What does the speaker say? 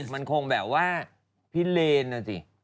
มันคงแบบว่าพี่เรนอ่ะสิ